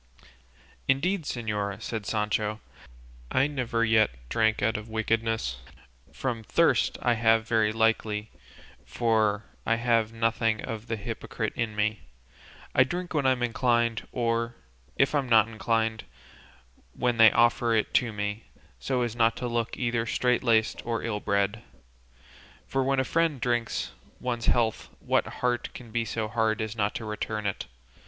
'" "Indeed, señora," said Sancho, "I never yet drank out of wickedness; from thirst I have very likely, for I have nothing of the hypocrite in me; I drink when I'm inclined, or, if I'm not inclined, when they offer it to me, so as not to look either strait laced or ill bred; for when a friend drinks one's health what heart can be so hard as not to return it?